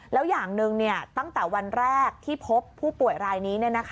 แล้วอย่างหนึ่งตั้งแต่วันแรกที่พบผู้ป่วยรายนี้